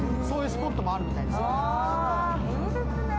そういうスポットもあるみたいですよ。